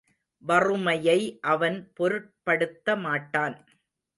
வறுமையை அவன் பொருட்படுத்த மாட்டான்.